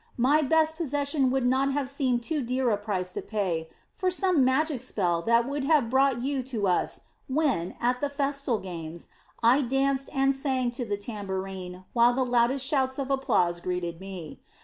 My best possession would not have seemed too dear a price to pay for some magic spell that would have brought you to us when, at the festal games, I danced and sang to the tambourine while the loudest shouts of applause greeted me.